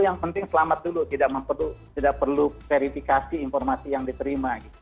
yang penting selamat dulu tidak perlu verifikasi informasi yang diterima